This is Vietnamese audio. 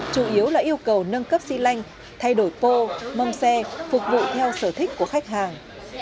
chủ yếu là yêu cầu nâng cấp xi lanh thay đổi pô mâm xe phục vụ theo sở thích của khách hàng